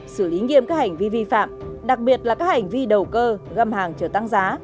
xử lý nghiêm các hành vi vi phạm đặc biệt là các hành vi đầu cơ găm hàng chờ tăng giá